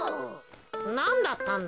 なんだったんだ？